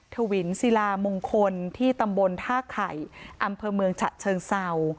ถวินศิลามงคลที่ตำบลท่าไข่อำเภอเมืองฉะเชิงเศร้า